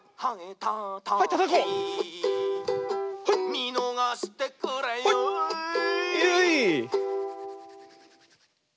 「みのがしてくれよぉ」